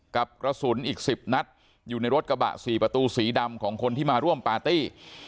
กระสุนอีก๑๐นัดอยู่ในรถกระบะ๔ประตูสีดำของคนที่มาร่วมปาร์ตี้